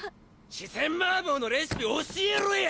四川麻婆のレシピ教えろや！